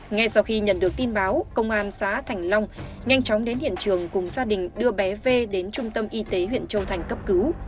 ngay sau khi nhận được tin báo công an xã thành long nhanh chóng đến hiện trường cùng gia đình đưa bé v đến trung tâm y tế huyện châu thành cấp cứu